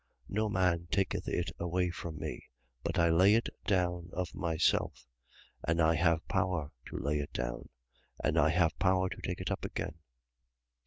10:18. No man taketh it away from me: but I lay it down of myself. And I have power to lay it down: and I have power to take it up again.